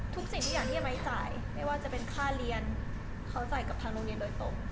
สิ่งทุกอย่างที่ไม้จ่ายไม่ว่าจะเป็นค่าเรียนเขาจ่ายกับทางโรงเรียนโดยตรง